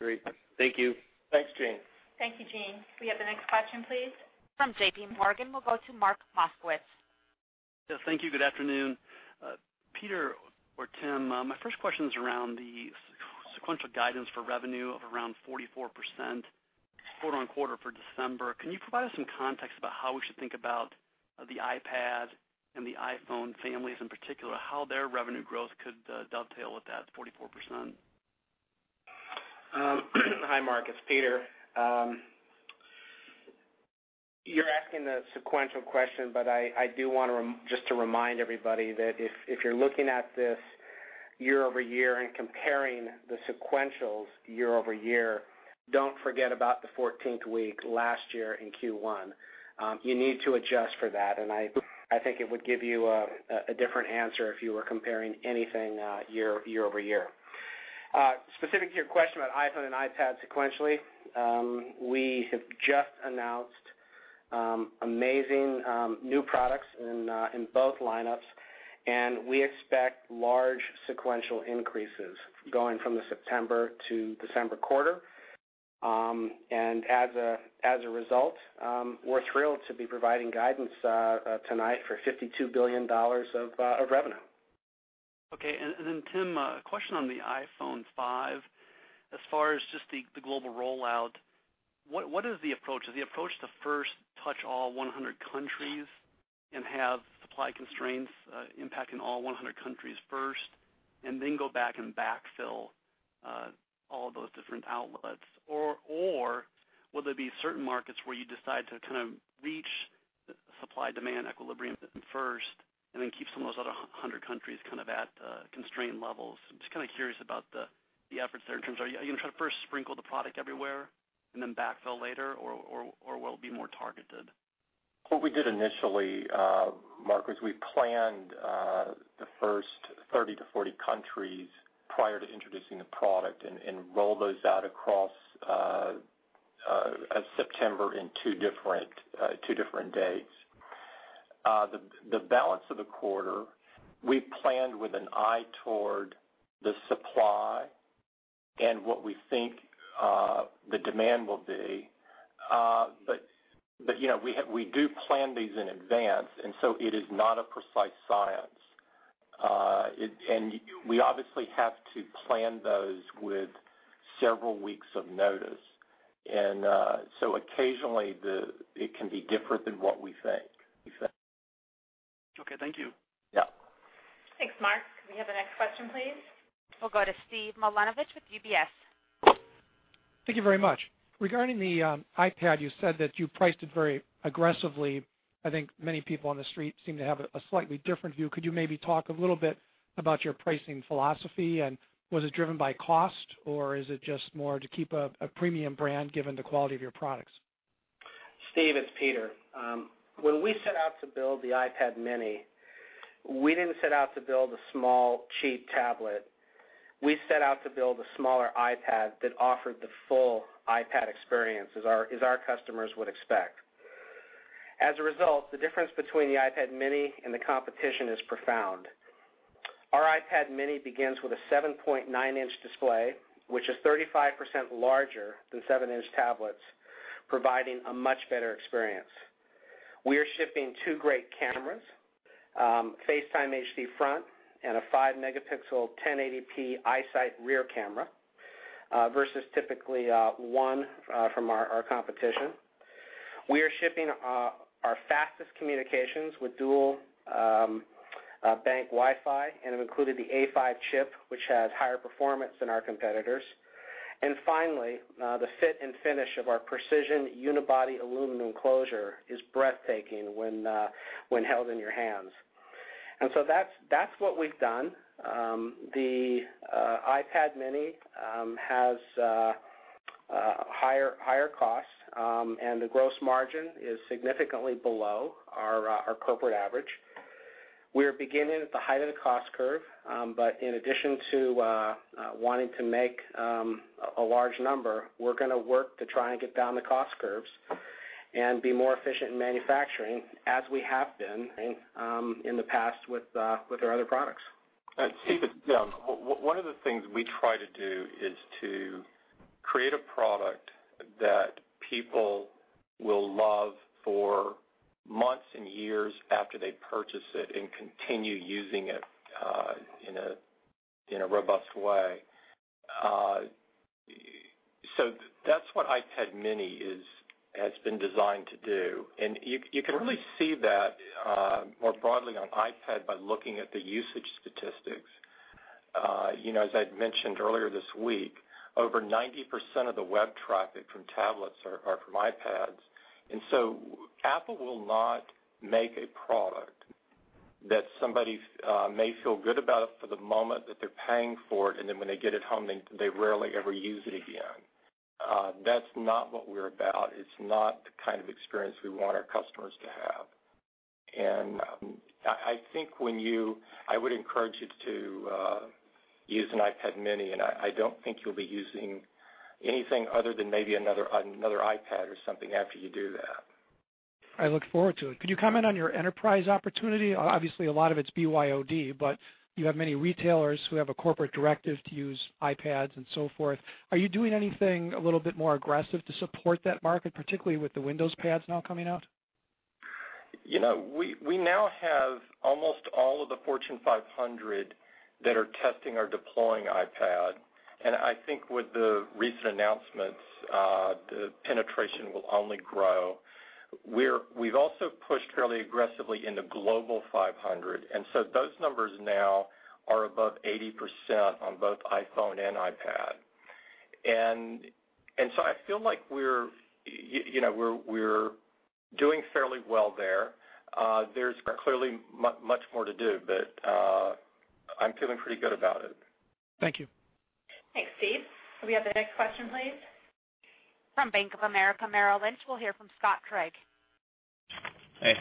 Great. Thank you. Thanks, Gene. Thank you, Gene. Can we have the next question, please? From J.P. Morgan, we'll go to Mark Moskowitz. Yes, thank you. Good afternoon. Peter or Tim, my first question is around the sequential guidance for revenue of around 44% quarter-over-quarter for December. Can you provide us some context about how we should think about the iPad and the iPhone families in particular, how their revenue growth could dovetail with that 44%? Hi, Mark, it's Peter. You're asking a sequential question, I do want to just remind everybody that if you're looking at this year-over-year and comparing the sequentials year-over-year, don't forget about the 14th week last year in Q1. You need to adjust for that, I think it would give you a different answer if you were comparing anything year-over-year. Specific to your question about iPhone and iPad sequentially, we have just announced amazing new products in both lineups, we expect large sequential increases going from the September to December quarter. As a result, we're thrilled to be providing guidance tonight for $52 billion of revenue. Okay. Tim, a question on the iPhone 5. As far as just the global rollout, what is the approach? Is the approach to first touch all 100 countries and have supply constraints impacting all 100 countries first, go back and backfill all of those different outlets? Will there be certain markets where you decide to reach supply-demand equilibrium first and then keep some of those other 100 countries at constrained levels? I'm just curious about the efforts there in terms of, are you going to try to first sprinkle the product everywhere and then backfill later, or will it be more targeted? What we did initially, Mark, was we planned the first 30 to 40 countries prior to introducing the product and roll those out across September in two different dates. The balance of the quarter, we planned with an eye toward the supply and what we think the demand will be. We do plan these in advance, it is not a precise science. We obviously have to plan those with several weeks of notice. Occasionally, it can be different than what we think. Okay, thank you. Yeah. Thanks, Mark. Can we have the next question, please? We'll go to Steve Milunovich with UBS. Thank you very much. Regarding the iPad, you said that you priced it very aggressively. I think many people on the street seem to have a slightly different view. Could you maybe talk a little bit about your pricing philosophy? Was it driven by cost, or is it just more to keep a premium brand given the quality of your products? Steve, it's Peter. When we set out to build the iPad mini, we didn't set out to build a small, cheap tablet. We set out to build a smaller iPad that offered the full iPad experience as our customers would expect. As a result, the difference between the iPad mini and the competition is profound. Our iPad mini begins with a 7.9-inch display, which is 35% larger than seven-inch tablets, providing a much better experience. We are shipping two great cameras, FaceTime HD front, and a five megapixel 1080p iSight rear camera, versus typically one from our competition. We are shipping our fastest communications with dual-band Wi-Fi and have included the A5 chip, which has higher performance than our competitors. Finally, the fit and finish of our precision unibody aluminum enclosure is breathtaking when held in your hands. That's what we've done. The iPad mini has higher costs. The gross margin is significantly below our corporate average. We are beginning at the height of the cost curve. In addition to wanting to make a large number, we're going to work to try and get down the cost curves and be more efficient in manufacturing as we have been in the past with our other products. Steve, it's Tim. One of the things we try to do is to create a product that people will love for months and years after they purchase it and continue using it in a robust way. That's what iPad mini has been designed to do, and you can really see that more broadly on iPad by looking at the usage statistics. As I'd mentioned earlier this week, over 90% of the web traffic from tablets are from iPads. Apple will not make a product that somebody may feel good about for the moment that they're paying for it, and then when they get it home, they rarely ever use it again. That's not what we're about. It's not the kind of experience we want our customers to have. I think I would encourage you to use an iPad mini, and I don't think you'll be using anything other than maybe another iPad or something after you do that. I look forward to it. Could you comment on your enterprise opportunity? Obviously, a lot of it's BYOD, but you have many retailers who have a corporate directive to use iPads and so forth. Are you doing anything a little bit more aggressive to support that market, particularly with the Windows pads now coming out? We now have almost all of the Fortune 500 that are testing or deploying iPad. I think with the recent announcements, the penetration will only grow. We've also pushed fairly aggressively in the Global 500, those numbers now are above 80% on both iPhone and iPad. I feel like we're doing fairly well there. There's clearly much more to do, but I'm feeling pretty good about it. Thank you. Thanks, Steve. Could we have the next question, please? From Bank of America Merrill Lynch, we'll hear from Scott Craig.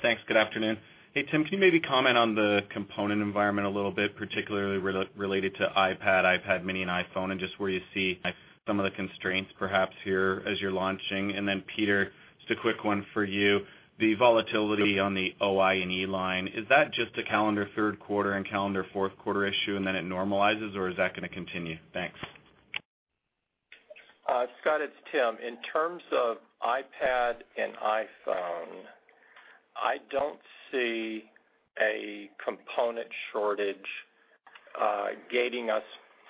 Thanks. Good afternoon. Tim, can you maybe comment on the component environment a little bit, particularly related to iPad mini, and iPhone, and just where you see some of the constraints perhaps here as you're launching? Peter, just a quick one for you. The volatility on the OI&E line, is that just a calendar third quarter and calendar fourth quarter issue and then it normalizes, or is that going to continue? Thanks. Scott, it's Tim. In terms of iPad and iPhone, I don't see a component shortage gating us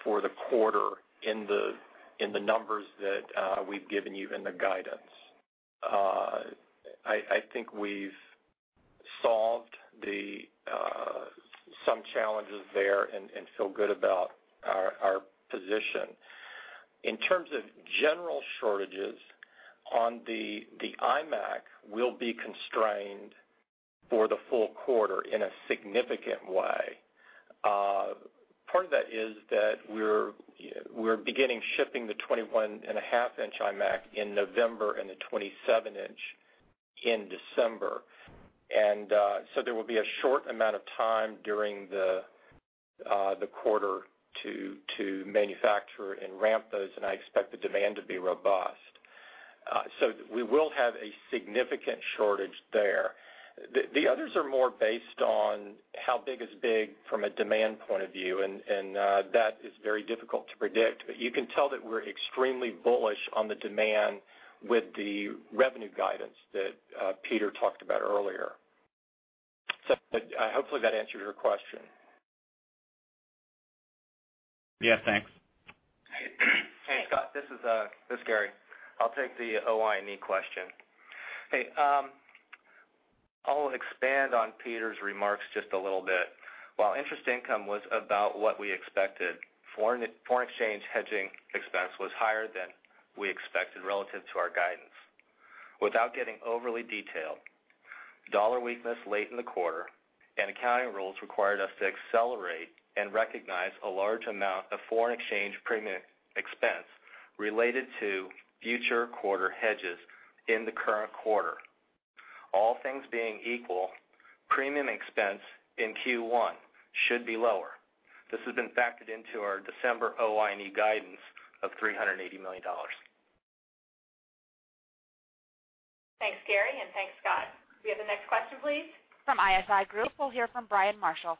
for the quarter in the numbers that we've given you in the guidance. I think we've solved some challenges there and feel good about our position. In terms of general shortages, on the iMac, we'll be constrained for the full quarter in a significant way. Part of that is that we're beginning shipping the 21.5-inch iMac in November and the 27-inch in December. There will be a short amount of time during the quarter to manufacture and ramp those, and I expect the demand to be robust. We will have a significant shortage there. The others are more based on how big is big from a demand point of view, and that is very difficult to predict. You can tell that we're extremely bullish on the demand with the revenue guidance that Peter talked about earlier. Scott, hopefully that answered your question. Thanks. Hey, Scott, this is Gary. I'll take the OI&E question. Hey, I'll expand on Peter's remarks just a little bit. While interest income was about what we expected, foreign exchange hedging expense was higher than we expected relative to our guidance. Without getting overly detailed Dollar weakness late in the quarter and accounting rules required us to accelerate and recognize a large amount of foreign exchange premium expense related to future quarter hedges in the current quarter. All things being equal, premium expense in Q1 should be lower. This has been factored into our December OI&E guidance of $380 million. Thanks, Gary, and thanks, Scott. Can we have the next question, please? From ISI Group, we'll hear from Brian Marshall.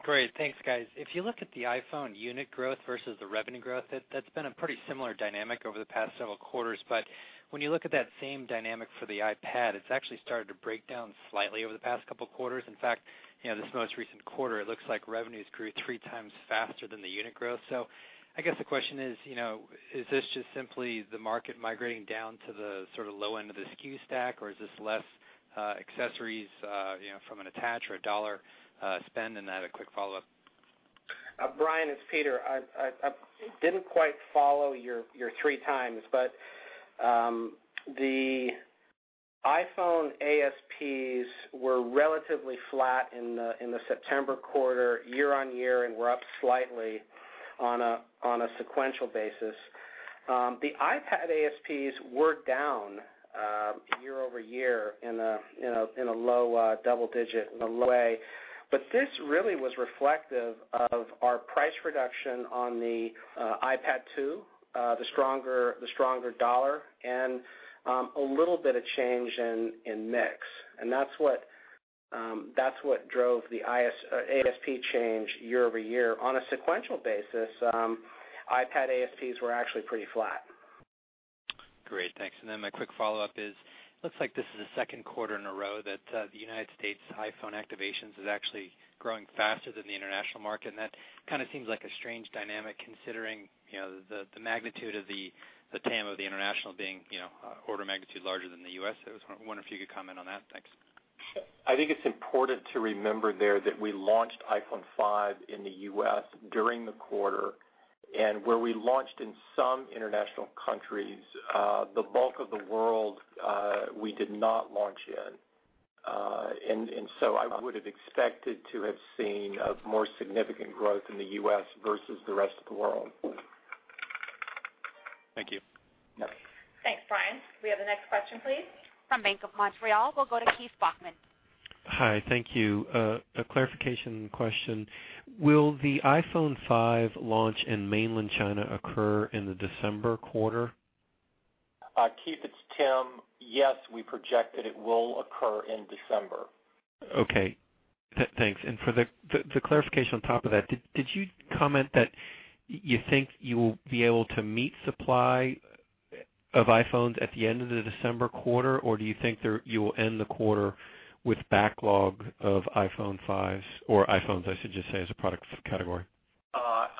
Great. Thanks, guys. If you look at the iPhone unit growth versus the revenue growth, that's been a pretty similar dynamic over the past several quarters. When you look at that same dynamic for the iPad, it's actually started to break down slightly over the past couple of quarters. In fact, this most recent quarter, it looks like revenues grew three times faster than the unit growth. I guess the question is this just simply the market migrating down to the sort of low end of the SKU stack, or is this less accessories from an attach or a dollar spend? I have a quick follow-up. Brian, it's Peter. I didn't quite follow your three times. The iPhone ASPs were relatively flat in the September quarter year-over-year and were up slightly on a sequential basis. The iPad ASPs were down year-over-year in a low double digit in a way. This really was reflective of our price reduction on the iPad 2, the stronger dollar, and a little bit of change in mix. That's what drove the ASP change year-over-year. On a sequential basis, iPad ASPs were actually pretty flat. Great, thanks. My quick follow-up is, looks like this is the second quarter in a row that the U.S. iPhone activations is actually growing faster than the international market. That kind of seems like a strange dynamic considering the magnitude of the TAM of the international being order of magnitude larger than the U.S. I was wondering if you could comment on that. Thanks. I think it's important to remember there that we launched iPhone 5 in the U.S. during the quarter. Where we launched in some international countries, the bulk of the world we did not launch in. I would have expected to have seen a more significant growth in the U.S. versus the rest of the world. Thank you. Yeah. Thanks, Brian. Can we have the next question, please? From Bank of Montreal, we'll go to Keith Bachman. Hi, thank you. A clarification question. Will the iPhone 5 launch in mainland China occur in the December quarter? Keith, it's Tim. Yes, we project that it will occur in December. Okay. Thanks. For the clarification on top of that, did you comment that you think you will be able to meet supply of iPhones at the end of the December quarter, or do you think you will end the quarter with backlog of iPhone 5s or iPhones, I should just say, as a product category?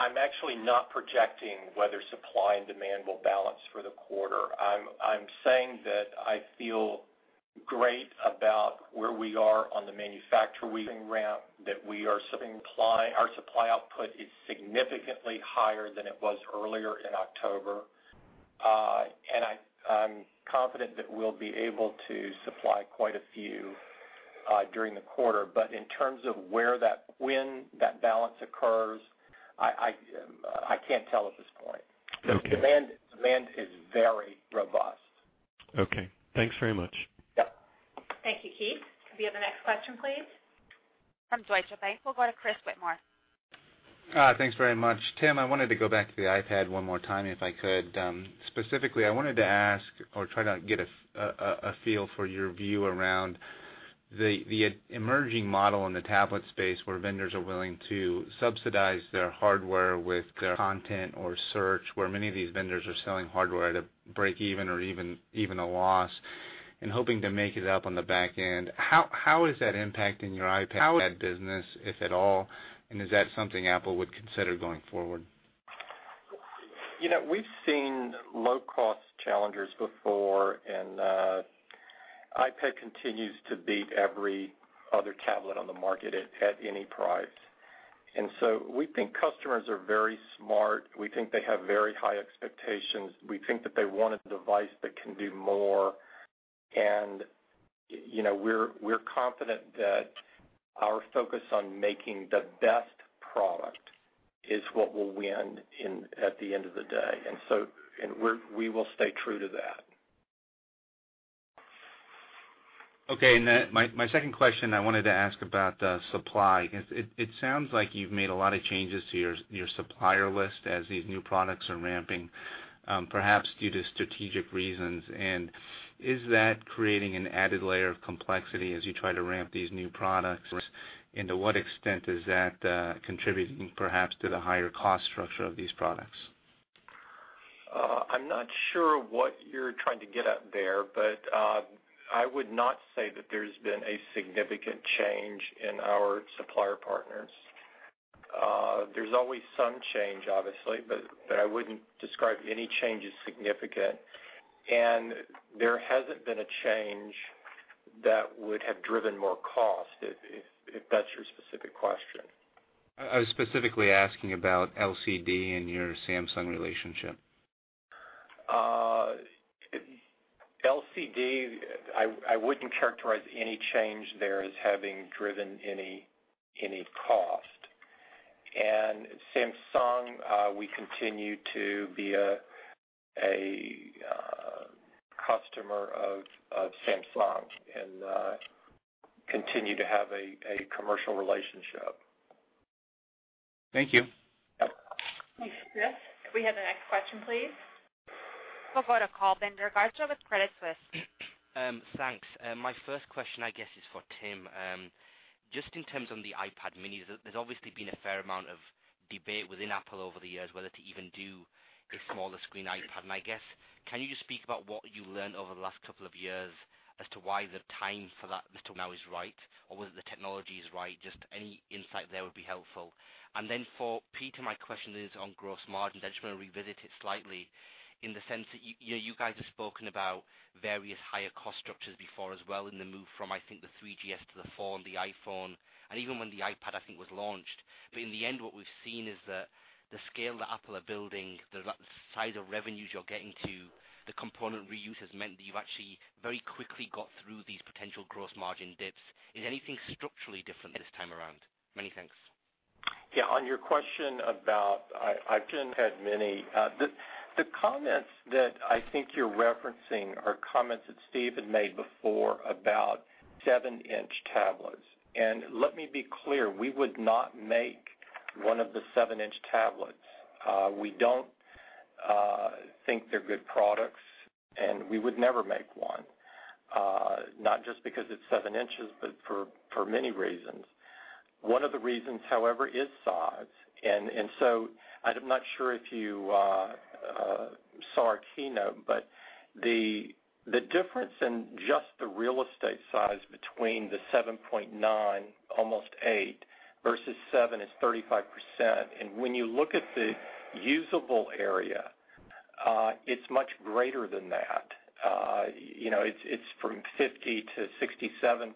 I'm actually not projecting whether supply and demand will balance for the quarter. I'm saying that I feel great about where we are on the manufacturing ramp, that our supply output is significantly higher than it was earlier in October. I'm confident that we'll be able to supply quite a few during the quarter. In terms of when that balance occurs, I can't tell at this point. Okay. Demand is very robust. Okay. Thanks very much. Yep. Thank you, Keith. Could we have the next question, please? From Deutsche Bank, we'll go to Chris Whitmore. Thanks very much. Tim, I wanted to go back to the iPad one more time if I could. Specifically, I wanted to ask or try to get a feel for your view around the emerging model in the tablet space where vendors are willing to subsidize their hardware with their content or search, where many of these vendors are selling hardware to break even or even a loss and hoping to make it up on the back end. How is that impacting your iPad business, if at all, and is that something Apple would consider going forward? We've seen low-cost challengers before, and iPad continues to beat every other tablet on the market at any price. We think customers are very smart. We think they have very high expectations. We think that they want a device that can do more, and we're confident that our focus on making the best product is what will win at the end of the day. We will stay true to that. Okay, my second question I wanted to ask about supply. It sounds like you've made a lot of changes to your supplier list as these new products are ramping, perhaps due to strategic reasons. Is that creating an added layer of complexity as you try to ramp these new products? To what extent is that contributing perhaps to the higher cost structure of these products? I'm not sure what you're trying to get at there, I would not say that there's been a significant change in our supplier partners. There's always some change, obviously, I wouldn't describe any change as significant. There hasn't been a change that would have driven more cost, if that's your specific question. I was specifically asking about LCD and your Samsung relationship. LCD, I wouldn't characterize any change there as having driven any cost. Samsung, we continue to be a customer of Samsung and continue to have a commercial relationship. Thank you. Thanks, Chris. Can we have the next question, please? We'll go to Kulbinder Garcha with Credit Suisse. Thanks. My first question, I guess, is for Tim. Just in terms on the iPad mini, there's obviously been a fair amount of debate within Apple over the years whether to even do a smaller screen iPad. I guess, can you just speak about what you learned over the last couple of years as to why the time for that now is right, or whether the technology is right? Just any insight there would be helpful. For Peter, my question is on gross margins. I just want to revisit it slightly in the sense that you guys have spoken about various higher cost structures before as well in the move from, I think, the iPhone 3GS to the iPhone 4 and the iPhone, and even when the iPad, I think, was launched. In the end, what we've seen is that the scale that Apple are building, the size of revenues you're getting to, the component reuse has meant that you've actually very quickly got through these potential gross margin dips. Is anything structurally different this time around? Many thanks. Yeah, on your question about iPad mini, the comments that I think you're referencing are comments that Steve had made before about seven-inch tablets. Let me be clear, we would not make one of the seven-inch tablets. We don't think they're good products, and we would never make one. Not just because it's seven inches, but for many reasons. One of the reasons, however, is size. I'm not sure if you saw our keynote, but the difference in just the real estate size between the 7.9, almost 8, versus 7 is 35%. When you look at the usable area, it's much greater than that. It's from 50%-67%.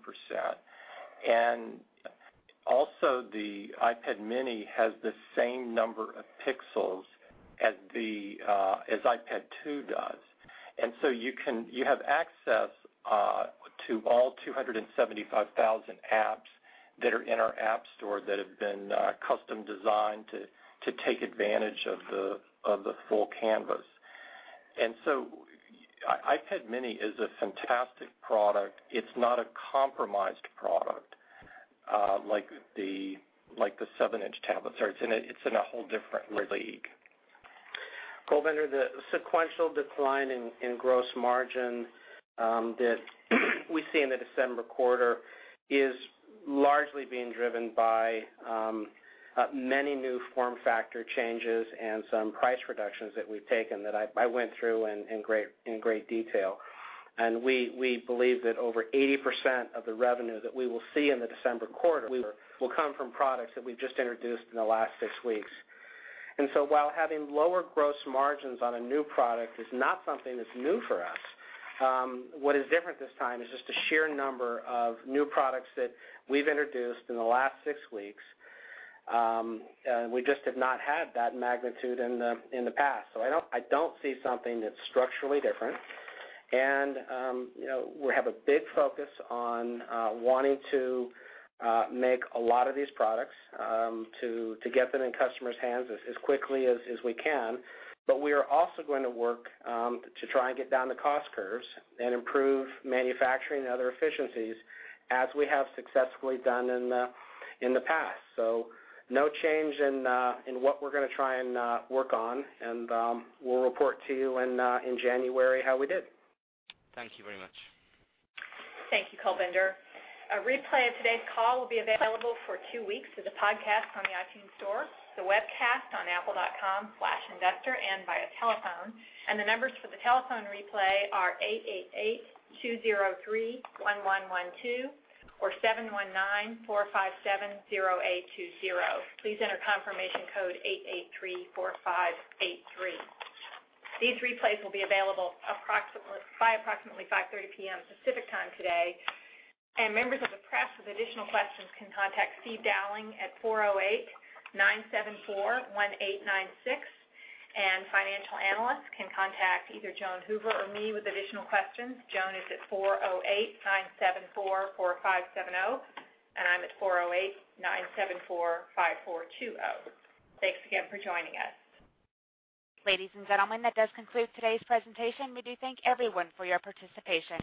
The iPad mini has the same number of pixels as iPad 2 does. You have access to all 275,000 apps that are in our App Store that have been custom designed to take advantage of the full canvas. iPad mini is a fantastic product. It's not a compromised product like the seven-inch tablet. It's in a whole different league. Kulbinder, the sequential decline in gross margin that we see in the December quarter is largely being driven by many new form factor changes and some price reductions that we've taken that I went through in great detail. We believe that over 80% of the revenue that we will see in the December quarter will come from products that we've just introduced in the last six weeks. While having lower gross margins on a new product is not something that's new for us, what is different this time is just the sheer number of new products that we've introduced in the last six weeks. We just have not had that magnitude in the past. I don't see something that's structurally different. We have a big focus on wanting to make a lot of these products to get them in customers' hands as quickly as we can. We are also going to work to try and get down the cost curves and improve manufacturing and other efficiencies as we have successfully done in the past. No change in what we're going to try and work on, and we'll report to you in January how we did. Thank you very much. Thank you, Kulbinder. A replay of today's call will be available for two weeks as a podcast on the iTunes Store, the webcast on apple.com/investor and via telephone. The numbers for the telephone replay are 888-203-1112 or 719-457-0820. Please enter confirmation code 8834583. These replays will be available by approximately 5:30 P.M. Pacific Time today. Members of the press with additional questions can contact Steve Dowling at 408-974-1896, and financial analysts can contact either Joan Hoover or me with additional questions. Joan is at 408-974-4570, and I'm at 408-974-5420. Thanks again for joining us. Ladies and gentlemen, that does conclude today's presentation. We do thank everyone for your participation.